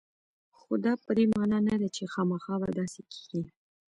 خو دا په دې معنا نه ده چې خامخا به داسې کېږي